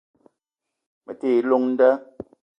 Me te yi llong nda